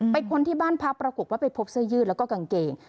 ค้นที่บ้านพักปรากฏว่าไปพบเสื้อยืดแล้วก็กางเกง